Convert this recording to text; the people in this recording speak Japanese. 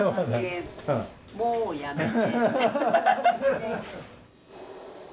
もうやめて。